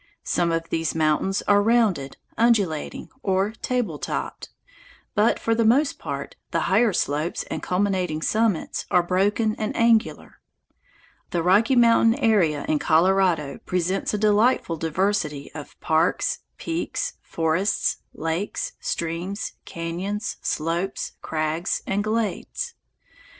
Some of these mountains are rounded, undulating, or table topped, but for the most part the higher slopes and culminating summits are broken and angular. Altogether, the Rocky Mountain area in Colorado presents a delightful diversity of parks, peaks, forests, lakes, streams, cañons, slopes, crags, and glades.